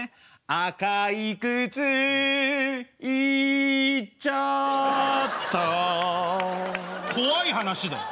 赤い靴行っちゃった怖い話だよ。